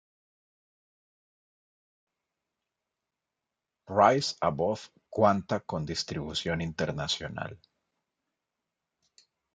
Rise Above cuanta con distribución internacional.